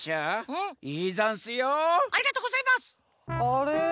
あれ？